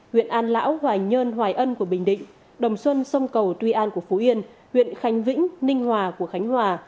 huyện an lão hoài nhơn hoài ân của bình định đồng xuân sông cầu tuy an của phú yên huyện khánh vĩnh ninh hòa của khánh hòa